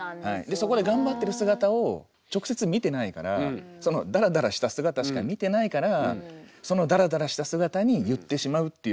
そこで頑張ってる姿を直接見てないからそのダラダラした姿しか見てないからそのダラダラした姿に言ってしまうっていうのは。